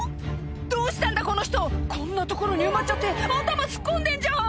「どうしたんだこの人こんな所に埋まっちゃって」「頭突っ込んでんじゃん！